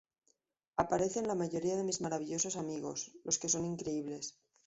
Aparecen la mayoría de mis maravillosos amigos, los que son increíbles.